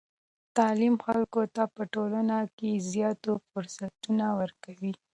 تعلیم خلکو ته په ټولنه کې زیاتو فرصتونو ورکوي.